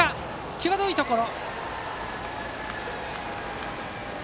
際どいところ。